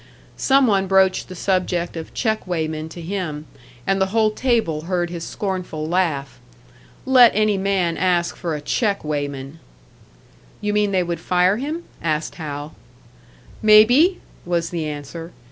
Some one broached the subject of check weighmen to him, and the whole table heard his scornful laugh. Let any man ask for a check weighman! "You mean they would fire him?" asked Hal. "Maybe!" was the answer.